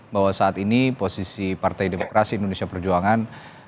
bahwa saat ini posisi partai demokrasi indonesia perjuangan